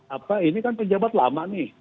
apa ini kan pejabat lama nih